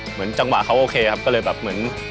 เหมือนจังหวะเขาโอเคครับก็เลยแบบเหมือน